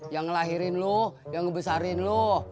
yang ngelahirin lu yang ngebesarin lu